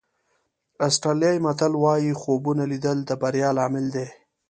آسټرالیایي متل وایي خوبونه لیدل د بریا لامل دي.